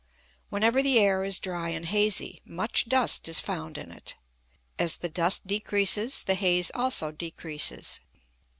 Whenever the air is dry and hazy, much dust is found in it; as the dust decreases the haze also decreases.